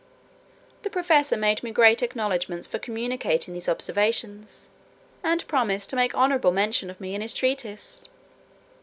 The professor made me great acknowledgments for communicating these observations, and promised to make honourable mention of me in his treatise.